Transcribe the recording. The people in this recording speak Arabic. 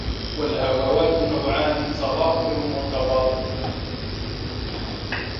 وَالْهَفَوَاتُ نَوْعَانِ صَغَائِرُ وَكَبَائِرُ